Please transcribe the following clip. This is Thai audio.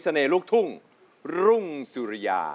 อันนี้เสน่ห์ลูกทุ่งรุ่งสุริยา